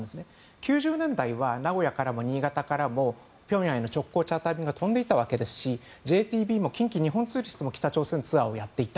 ９０年代は名古屋からも新潟からもピョンヤンへの直行チャーター便飛んでいたわけでＪＴＢも近畿日本ツーリストも北朝鮮ツアーをやっていた。